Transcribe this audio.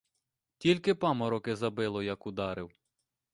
Тільки памороки забило, як ударив.